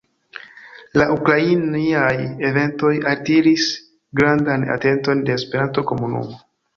La ukrainiaj eventoj altiris grandan atenton de la Esperanto-komunumo.